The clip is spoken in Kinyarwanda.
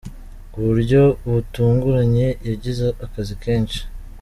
Ku buryo butunguranye yagize akazi kenshi